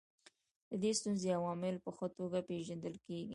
د دې ستونزې عوامل په ښه توګه پېژندل کیږي.